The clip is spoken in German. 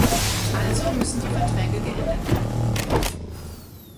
Also müssen die Verträge geändert werden.